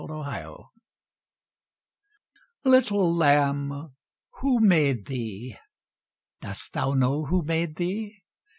THE LAMB Little Lamb, who made thee? Dost thou know who made thee?